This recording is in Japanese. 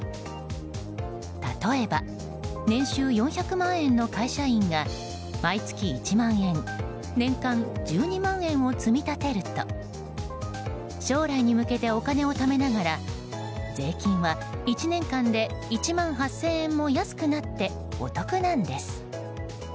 例えば年収４００万円の会社員が毎月１万円年間１２万円を積み立てると将来に向けてお金をためながら税金は１年間で１万８０００円も安くなってお得なんです。